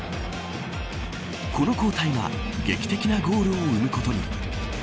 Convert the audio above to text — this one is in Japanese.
この交代が劇的なゴールを生むことに。